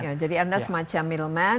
ya jadi anda semacam milman